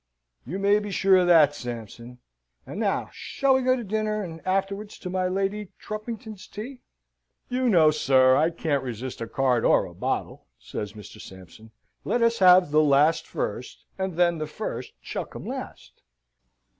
"You may be sure of that, Sampson. And now shall we go to dinner, and afterwards to my Lady Trumpington's tea?" "You know, sir, I can't resist a card or a bottle," says Mr. Sampson. "Let us have the last first and then the first shall come last."